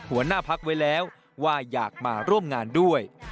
หัวหน้าพักไว้แล้วว่าอยากมาร่วมงานด้วย